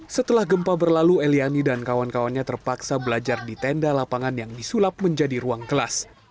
setelah gempa berlalu eliani dan kawan kawannya terpaksa belajar di tenda lapangan yang disulap menjadi ruang kelas